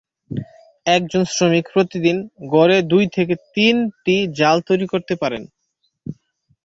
একজন শ্রমিক প্রতিদিন গড়ে দুই থেকে তিনটি জাল তৈরি করতে পারেন।